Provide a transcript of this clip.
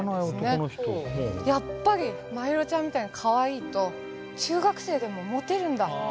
やっぱりマヒロちゃんみたいにかわいいと中学生でもモテるんだって。